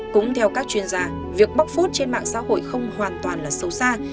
cũng theo các chuyên gia việc bóc phút trên mạng xã hội không hoàn toàn là sâu xa